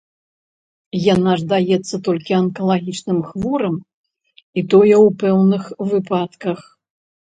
Яна ж даецца толькі анкалагічным хворым, і тое, у пэўных выпадках.